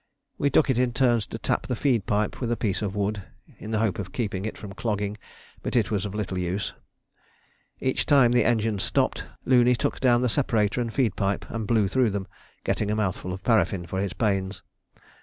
We took it in turns to tap the feed pipe with a piece of wood, in the hope of keeping it from clogging; but it was of little use. Each time the engines stopped, Looney took down the separator and feed pipe and blew through them, getting a mouthful of paraffin for his pains.